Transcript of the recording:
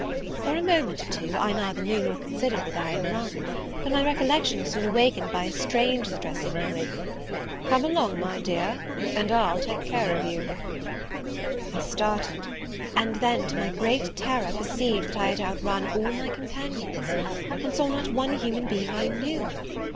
For a moment or two I neither knew nor considered whither I had run; but my recollection was soon awakened by a stranger's addressing me with, "Come along with me, my dear, and I'll take care of you." I started; and then, to my great terror, perceived that I had outrun all my companions, and saw not one human being I knew!